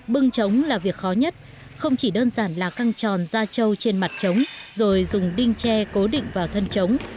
bưng trống là việc khó nhất không chỉ đơn giản là căng tròn da trâu trên mặt trống rồi dùng đinh tre cố định vào thân trống